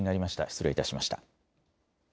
失礼いたしました。